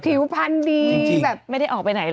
ผิวพันธุ์ดีแบบไม่ได้ออกไปไหนเลย